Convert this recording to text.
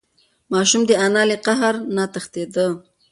ماشوم د انا له قهر نه تښتېده.